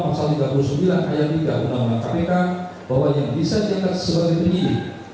pasal tiga puluh sembilan ayat tiga undang undang kpk bahwa yang bisa diangkat sebagai penyidik